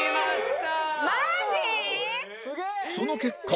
その結果